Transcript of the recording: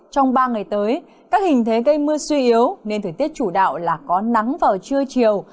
trong ba ngày tới các hình thế gây mưa suy yếu nên thời tiết chủ đạo là có nắng vào trưa chiều